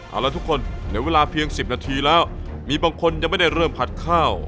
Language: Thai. เอาละทุกคนในเวลาเพียง๑๐นาทีแล้วมีบางคนยังไม่ได้เริ่มผัดข้าว